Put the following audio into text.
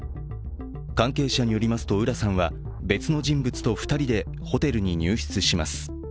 関係者によりますと浦さんは別の人物と２人でホテルに入室します。